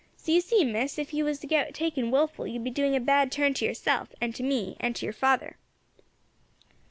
So you see, Miss, ef you was to get taken wilful you would be doing a bad turn to yerself, and to me, and to yer father.'